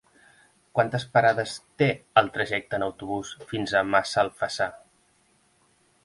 Quantes parades té el trajecte en autobús fins a Massalfassar?